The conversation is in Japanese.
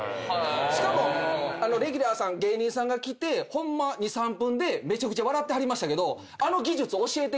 「しかもレギュラーさん芸人さんが来てホンマ２３分でめちゃくちゃ笑ってましたけどあの技術教えてください」